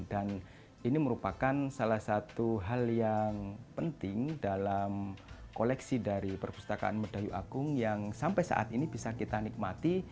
ini merupakan salah satu hal yang penting dalam koleksi dari perpustakaan medayu agung yang sampai saat ini bisa kita nikmati